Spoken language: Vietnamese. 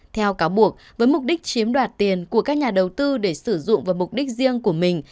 theo cáo buộc với mục đích chiếm đoạt tiền của các nhà đầu tư để sử dụng vào mục đích riêng của mình